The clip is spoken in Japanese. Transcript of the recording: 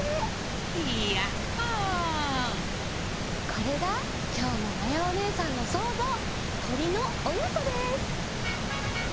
これがきょうのまやおねえさんのそうぞう「とりのおやこ」です！